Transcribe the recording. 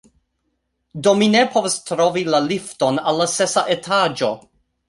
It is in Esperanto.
Do, mi ne povas trovi la lifton al la sesa etaĝo!